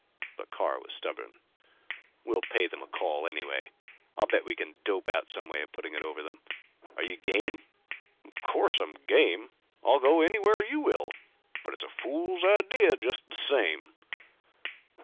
But Carr was stubborn. "We'll pay them a call anyway. I'll bet we can dope out some way of putting it over on them. Are you game?" "Of course I'm game. I'll go anywhere you will. But it's a fool idea just the same."